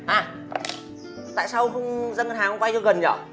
à tại sao ông không dâng ngân hàng vay cho gần nhỉ